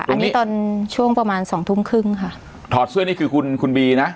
อันนี้ตอนช่วงประมาณสองทุ่มครึ่งค่ะถอดเสื้อนี่คือคุณคุณบีนะ